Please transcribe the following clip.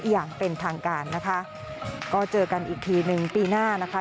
อย่างเป็นทางการนะคะก็เจอกันอีกทีหนึ่งปีหน้านะคะ